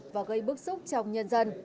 và gây bức xúc trong nhân dân